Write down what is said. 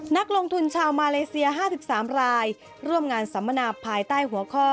นักลงทุนชาวมาเลเซีย๕๓รายร่วมงานสัมมนาภายใต้หัวข้อ